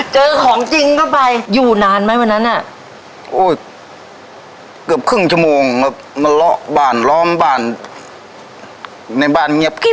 เจอของจริงก็ไปอยู่นานไหมวันนั้นอ่ะโอ้ยเกือบครึ่งชั่วโมง